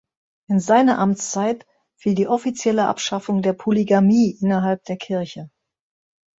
In seine Amtszeit fiel die offizielle Abschaffung der Polygamie innerhalb der Kirche.